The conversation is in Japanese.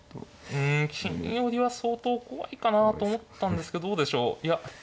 うん金寄りは相当怖いかなと思ったんですけどどうでしょういや。